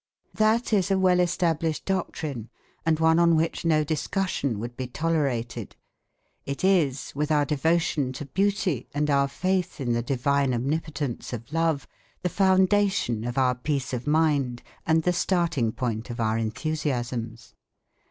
That is a well established doctrine and one on which no discussion would be tolerated. It is, with our devotion to beauty and our faith in the divine omnipotence of love, the foundation of our peace of mind and the starting point of our enthusiasms.